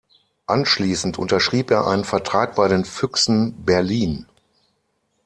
Anschließend unterschrieb er einen Vertrag bei den Füchsen Berlin.